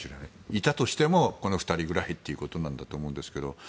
いたとしてもこの２人ぐらいということなんだと思うんですけど。